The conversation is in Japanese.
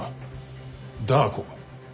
ダー子。